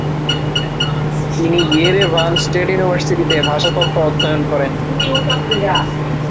তিনি Yerevan state ইউনিভার্সিটিতে ভাষাতত্ত্ব অধ্যয়ন করেন।